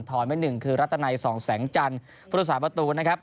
ไม่หนึ่งคือรัตนัยสองแสงจันทร์พุทธศาสตประตูนะครับ